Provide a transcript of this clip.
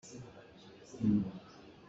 Zaanriah ah zei dah na ei?